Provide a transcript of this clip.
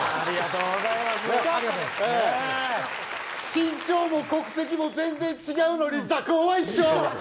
身長も国籍も全然違うのに、座高は一緒。